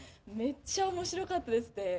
めっちゃ面白かったですね。